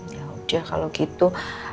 yaudah kalau gitu